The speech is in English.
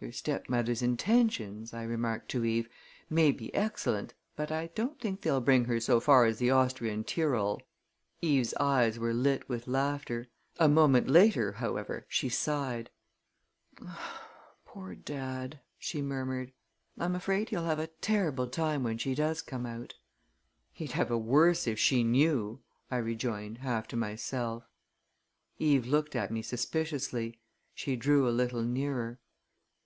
"Your stepmother's intentions," I remarked to Eve, "may be excellent, but I don't think they'll bring her so far as the Austrian Tyrol." Eve's eyes were lit with laughter. A moment later, however, she sighed. "Poor dad!" she murmured. "I'm afraid he'll have a terrible time when she does come out!" "He'd have a worse if she knew!" I rejoined, half to myself. Eve looked at me suspiciously. She drew a little nearer.